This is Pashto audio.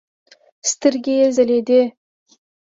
سترګې يې ځلېدې.